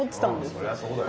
そりゃそうだよ。